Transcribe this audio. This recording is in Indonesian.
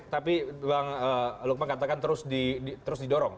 tapi bang lukman katakan terus didorong